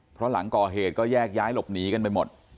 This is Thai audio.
เพราะหลังก่อเหตุก็แยกย้ายหลบหนีกันไปหมด